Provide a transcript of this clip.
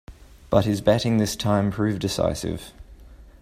But his batting this time proved decisive.